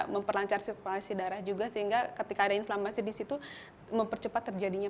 memperlancar sirkulasi darah juga sehingga ketika ada inflamasi di situ mempercepat terjadinya